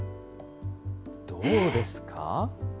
どうですか。